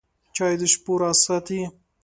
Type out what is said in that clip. چای د شپو راز ساتي.